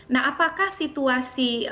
nah apakah situasi